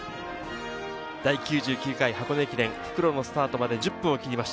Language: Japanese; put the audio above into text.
第９９回箱根駅伝、復路のスタートまで１０分を切りました。